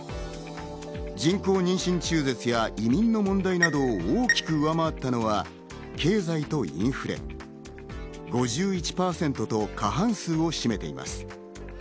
人工妊娠中絶や移民の問題などを大きく上回ったのは経済とインフレ、５１％と過半数を占めています。